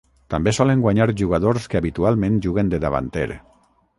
També solen guanyar jugadors que habitualment juguen de davanter.